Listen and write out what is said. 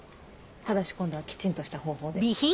ただし今度はきちんとした方法で。